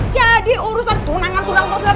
jadi urusan tunangan tunangan